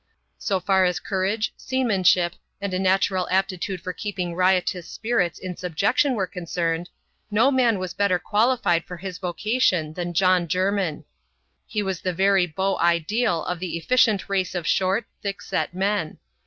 So far as courage, seamanship, and a natural aptitude for keeping riotous spirits in subjection were concerned, no man was better qualified for his vocation than John Jermin. He was the very beau ideal of the efficient race of short, thick set men.